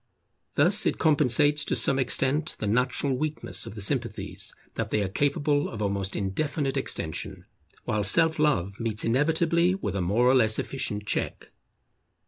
Thus it compensates to some extent the natural weakness of the Sympathies that they are capable of almost indefinite extension, while Self love meets inevitably with a more or less efficient check.